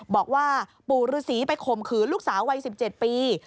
บอกว่าปู่ฤษีไปข่มขืนลูกสาววัย๑๗ปี